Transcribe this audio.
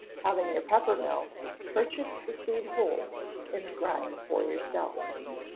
Having your pepper mill, purchase the seed whole, and grind for yourself.